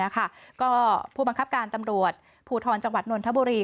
ก็ผู้บังคับการตำรวจภูทรจังหวัดนนทบุรี